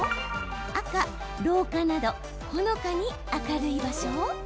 赤・廊下などほのかに明るい場所